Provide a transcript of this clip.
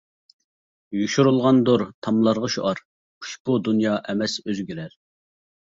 يوشۇرۇنغاندۇر تاملارغا شوئار، ئۇشبۇ دۇنيا ئەمەس ئۆزگىرەر.